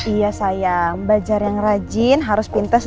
iya sayang bajar yang rajin harus pintar ya